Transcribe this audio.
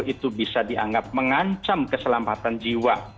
itu bisa dianggap mengancam keselamatan jiwa